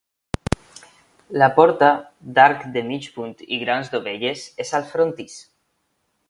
La porta, d'arc de mig punt i grans dovelles, és al frontis.